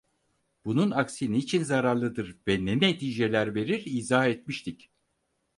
Bunun aksi niçin zararlıdır ve ne neticeler verir, izah etmiştik.